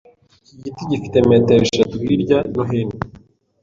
Iki giti gifite metero eshatu hirya no hino.